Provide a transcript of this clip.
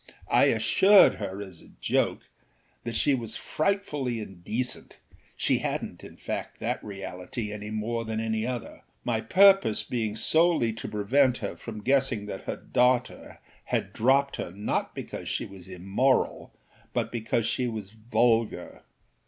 I assured her, as a joke, that she was frightfully indecent (she hadnât in fact that reality any more than any other) my purpose being solely to prevent her from guessing that her daughter had dropped her not because she was immoral but because she was vulgar.